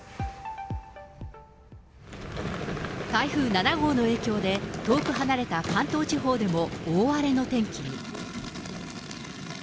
台風７号の影響で、遠く離れた関東地方でも大荒れの天気に。